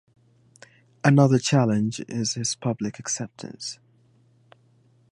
Another challenge is his public acceptance.